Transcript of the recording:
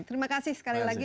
terima kasih sekali lagi